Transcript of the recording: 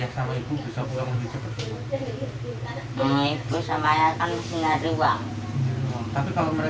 kami juga mencari jalan untuk mencari jalan